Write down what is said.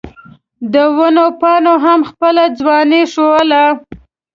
د ونو پاڼو هم خپله ځواني ښووله.